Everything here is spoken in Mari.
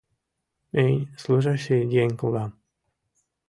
Минь служащий еҥ улам.